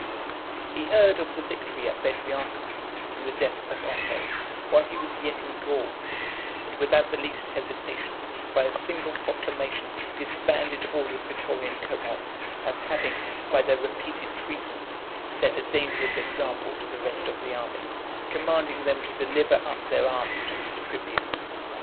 X. He heard of the victory at Bedriacum , and the death of Otho, whilst he was yet in Gaul, and without the least hesitation, by a single proclamation, disbanded all the pretorian cohorts, as having, by their repeated treasons, set a dangerous example to the rest of the army; commanding them to deliver up their arms to his tribunes.